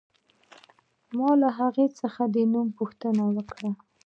ما له هغې څخه د نوم پوښتنه وکړه